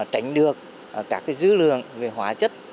tránh được các dư lường về hóa chất